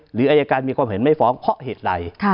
หรืออายการมีความเห็นไม่ฟ้องเพราะเหตุใด